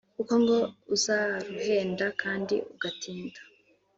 kuko ngo uzaruhenda kandi ugatinda